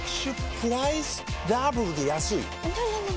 プライスダブルで安いＮｏ！